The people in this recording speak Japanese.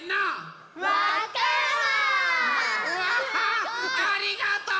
わありがとう！